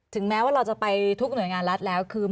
แม้ว่าเราจะไปทุกหน่วยงานรัฐแล้วคือ